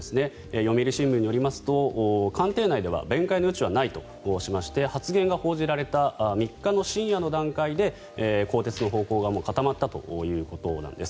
読売新聞によりますと官邸内では弁解の余地はないとしまして発言が報じられた３日の深夜の段階で更迭の方向が固まったということなんです。